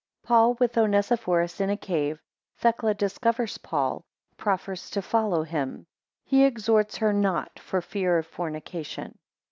1 Paul with Onesiphorus in a cave. 7 Thecla discovers Paul; 12 proffers to follow him: 13 he exhorts her not for fear of fornication.